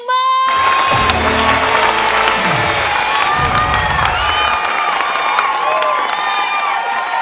๑มือ